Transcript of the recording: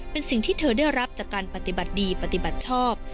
เป็นสิ่งที่เธอได้รับจากการปฏิบัติดีปฏิบัติชอบ